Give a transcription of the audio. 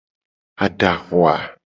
Adava.